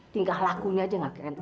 tingkah lakunya aja nggak keren